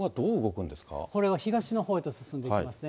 これが東のほうに進んでいきますね。